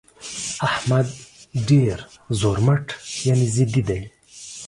احمد ډېر زورمټ يانې ضدي دى.